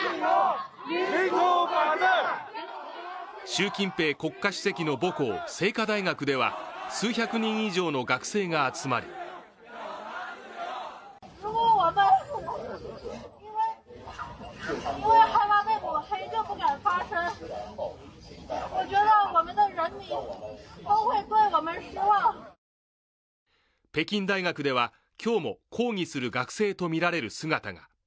習近平国家主席の母校、清華大学では数百人以上の学生が集まり北京大学では、今日も抗議する学生とみられる姿が。